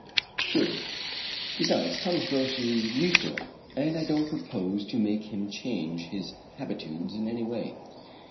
"True." "Besides, Thomas Roch is used to him, and I don't propose to make him change his habitudes in any way."